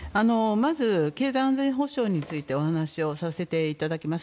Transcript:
まず、経済・安全保障について、お話をさせていただきます。